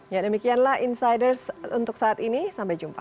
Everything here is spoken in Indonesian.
ya demikianlah insiders untuk saat ini sampai jumpa